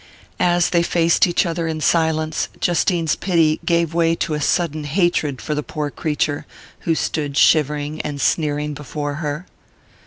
As they faced each other in silence Justine's pity gave way to a sudden hatred for the poor creature who stood shivering and sneering before her.